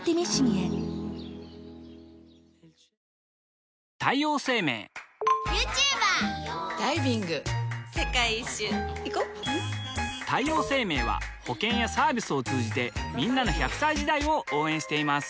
女性 ２） 世界一周いこ太陽生命は保険やサービスを通じてんなの１００歳時代を応援しています